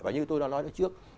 và như tôi đã nói trước